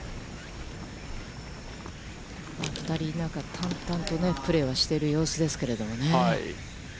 淡々とプレーはしている様子ですけどね。